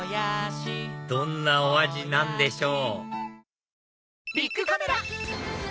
どんなお味なんでしょう？